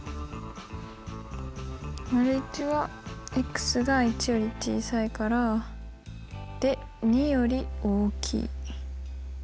①はが１より小さいからで２より大きい。